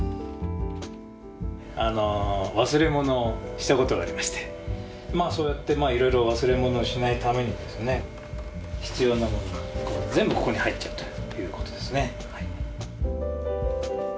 あの忘れ物をした事がありましてまあそうやっていろいろ忘れ物をしないためにですね必要なものが全部ここに入っちゃうという事ですね。